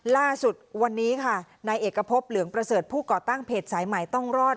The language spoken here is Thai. ล่าสุดวันนี้ค่ะนายเอกพบเหลืองประเสริฐผู้ก่อตั้งเพจสายใหม่ต้องรอด